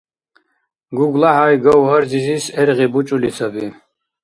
ГуглахӀяй Гавгьар-зизис гӀергъи бучӀули саби.